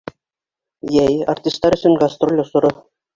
— Йәй — артистар өсөн гастроль осоро.